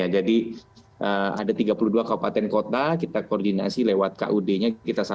jadi ada tiga puluh dua kabupaten kota kita koordinasi lewat kud nya